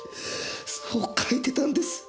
そう書いてたんです。